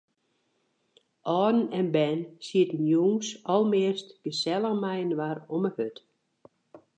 Alden en bern sieten jûns almeast gesellich mei-inoar om de hurd.